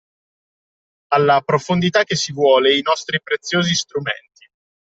Alla profondità che si vuole i nostri preziosi strumenti.